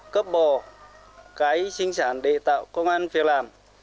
cấp bò cái sinh sản để tạo công an việc làm